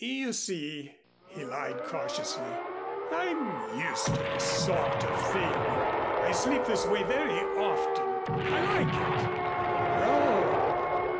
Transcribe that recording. "You see," he lied cautiously, "I'm used to this sort of thing. I sleep this way very often. I like it." "Oh!"